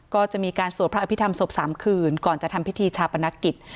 ก็จะมีการสวดพระอภิษฐรรศพ๓คืนก่อนจะทำพิธีชาปนกิจ